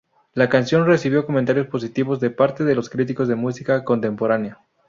La canción recibió comentarios positivos de parte de los críticos de música contemporánea.